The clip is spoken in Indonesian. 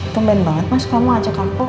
tumpin banget kamu ajak aku